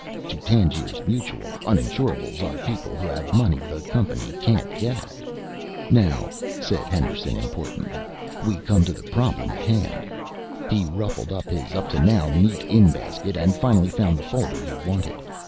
To Tangiers Mutual, uninsurables are people who have money the company can't get at. "Now," said Henderson importantly, "we come to the problem at hand." He ruffled his up to now neat In basket and finally found the folder he wanted.